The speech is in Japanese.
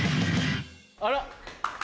あら？